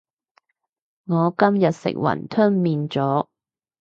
我今日食雲吞麵咗